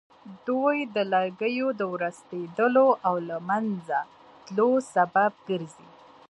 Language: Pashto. دوی د لرګیو د ورستېدلو او له منځه تلو سبب ګرځي.